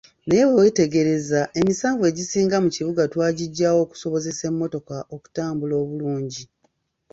Naye bwe weetegereza emisanvu egisinga mu kibuga twagiggyawo okusobozesa emmotoka okutambula obulungi.